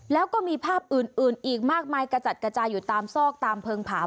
แล้วก็มีภาพอื่นอีกมากมายกระจัดกระจายอยู่ตามซอกตามเพลิงผา